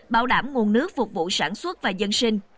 bảo đảm nguồn nước phục vụ sản xuất và dân sinh